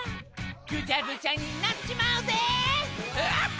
ぐちゃぐちゃになっちまうぜ。